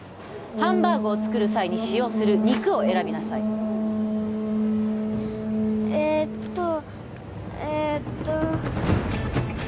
ハンバーグを作る際に使用する肉を選びなさいえっとえっと